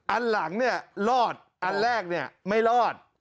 อันหลังเนี่ยรอดอันแรกเนี่ยไม่รอด